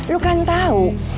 lu kan tau